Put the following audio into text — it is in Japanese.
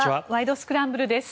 スクランブル」です。